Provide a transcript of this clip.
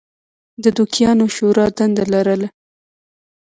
د دوکیانو شورا دنده لرله.